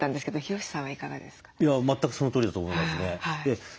全くそのとおりだと思いますね。